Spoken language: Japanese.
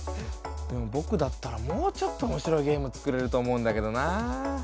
でもぼくだったらもうちょっとおもしろいゲーム作れると思うんだけどなぁ。